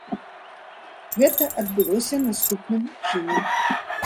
Гэта адбылося наступным чынам.